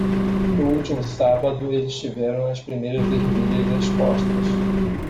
No último sábado eles tiveram as primeiras ervilhas expostas.